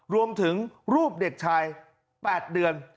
รวมถึงรูปเด็กชาย๘เดือน